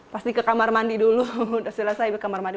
pasti ke kamar mandi dulu selesai ke kamar mandi